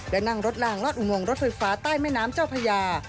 และนั่งรถลางลอดอุโมงรถไฟฟ้าใต้แม่น้ำเจ้าพญา